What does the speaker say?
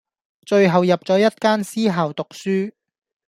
最後入咗一間私校讀書⠀